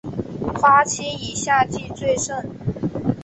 花期以夏季最盛。